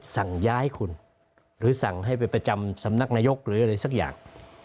สั่งย้ายคุณหรือสั่งให้ไปประจำสำนักนายกหรืออะไรสักอย่าง